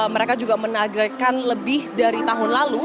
mereka juga menagerkan lebih dari tahun lalu